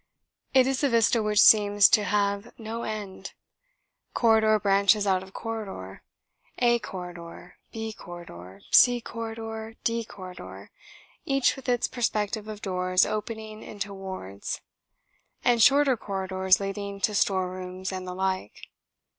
It is a vista which seems to have no end. Corridor branches out of corridor A Corridor, B Corridor, C Corridor, D Corridor, each with its perspective of doors opening into wards; and shorter corridors leading to store rooms and the like.